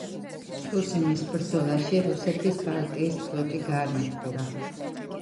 ცუსიმის ბრძოლაში რუსეთის ბალტიის ფლოტი გაანადგურა.